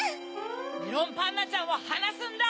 メロンパンナちゃんをはなすんだ！